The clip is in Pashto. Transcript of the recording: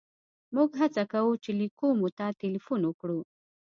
موږ هڅه کوو چې لېک کومو ته ټېلیفون وکړو.